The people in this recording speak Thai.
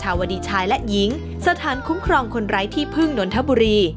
วดีชายและหญิงสถานคุ้มครองคนไร้ที่พึ่งนนทบุรี